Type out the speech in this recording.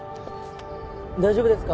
大丈夫ですか？